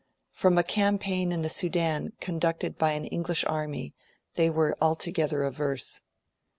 From a campaign in the Sudan conducted by an English army they were altogether averse.